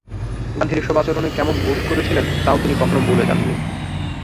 গান্ধীর এসব আচরণে কেমন বোধ করেছিলেন, তাও তিনি কখনো বলে যাননি।